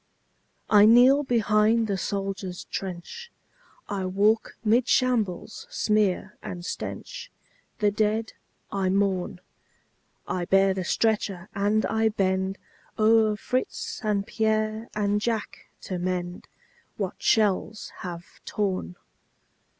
I kneel behind the soldier's trench, I walk 'mid shambles' smear and stench, The dead I mourn; I bear the stretcher and I bend O'er Fritz and Pierre and Jack to mend What shells have torn.